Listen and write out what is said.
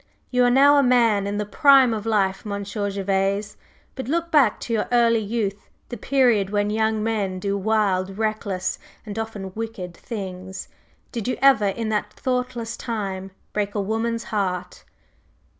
You are now a man in the prime of life, Monsieur Gervase, but look back to your early youth, the period when young men do wild, reckless, and often wicked things, did you ever in that thoughtless time break a woman's heart?"